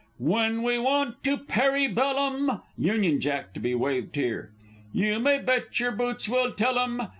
When we want to "parry bellum,"[A] [Union Jack to be waved here. You may bet yer boots we'll tell 'em!